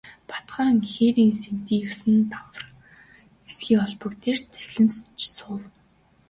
Бат хаан хээрийн сэнтий есөн давхар эсгий олбог дээр завилж суув.